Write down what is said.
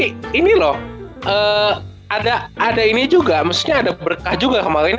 ada ini juga maksudnya ada berkah juga kemarin sonra ada berkah juga malie